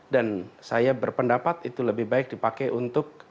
dan saya berpendapat itu lebih baik dipakai untuk